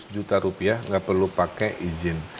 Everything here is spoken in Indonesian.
lima ratus juta rupiah nggak perlu pakai izin